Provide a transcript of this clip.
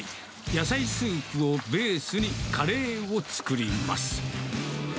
野菜スープをベースに、カレーを作ります。